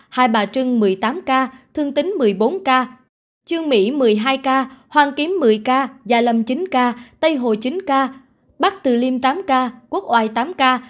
hai bà trưng một mươi tám ca thương tính một mươi bốn ca trương mỹ một mươi hai ca hoàng kiếm một mươi ca gia lâm chín ca tây hồ chín ca bắc từ liêm tám ca quốc oai tám k